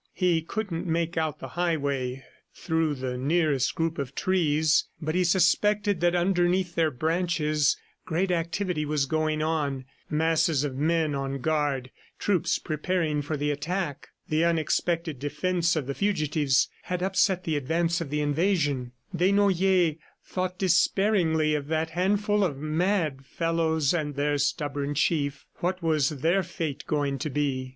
He couldn't make out the highway through the nearest group of trees, but he suspected that underneath their branches great activity was going on masses of men on guard, troops preparing for the attack. The unexpected defense of the fugitives had upset the advance of the invasion. Desnoyers thought despairingly of that handful of mad fellows and their stubborn chief. What was their fate going to be? .